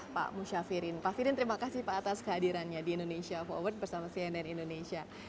pak musyafirin pak firin terima kasih pak atas kehadirannya di indonesia forward bersama cnn indonesia